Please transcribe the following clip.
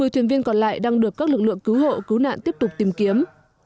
một mươi thuyền viên còn lại đang được các lực lượng cứu hộ cứu nạn tiếp tục tìm kiếm